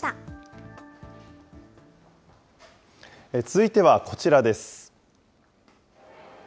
続いてはこちらです。